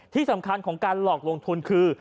ที่สำคัญของการหลอกลงทุนคือ